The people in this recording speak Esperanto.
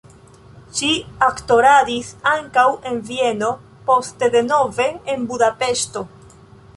Ŝi aktoradis ankaŭ en Vieno, poste denove en Budapeŝto.